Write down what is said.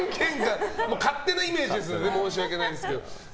勝手なイメージですから申し訳ないですが。